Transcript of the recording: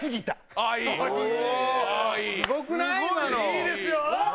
いいですよー！